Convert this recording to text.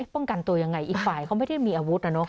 ป้องกันตัวยังไงอีกฝ่ายเขาไม่ได้มีอาวุธนะเนอ